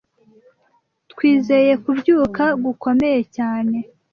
twizeye kubyuka gukomeye cyane